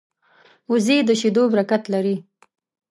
وزې د شیدو برکت لري